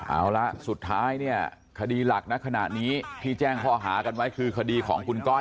เอาละสุดท้ายเนี่ยคดีหลักณขณะนี้ที่แจ้งข้อหากันไว้คือคดีของคุณก้อย